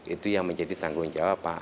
itu yang menjadi tanggung jawab pak